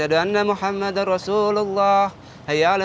assalamualaikum warahmatullahi wabarakatuh